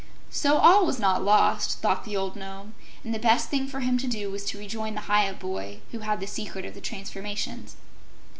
So all was not lost, thought the old Nome, and the best thing for him to do was to rejoin the Hyup boy who had the secret of the transformations.